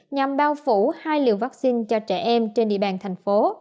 nhằm bao phủ hai liều vaccine cho trẻ em trên địa bàn thành phố